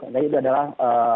jadi itu adalah